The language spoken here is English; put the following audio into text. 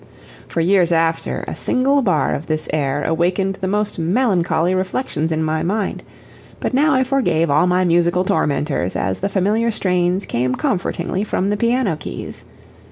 For years after, a single bar of this air awakened the most melancholy reflections in my mind, but now I forgave all my musical tormentors as the familiar strains came comfortingly from the piano keys.